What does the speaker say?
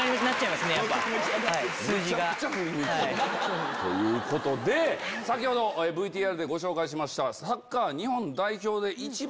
数字が。ということで先ほどＶＴＲでご紹介しました。